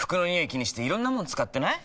気にしていろんなもの使ってない？